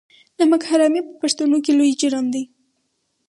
نمک حرامي په پښتنو کې لوی جرم دی.